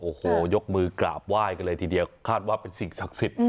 โอ้โหยกมือกราบไหว้กันเลยทีเดียวคาดว่าเป็นสิ่งศักดิ์สิทธิ์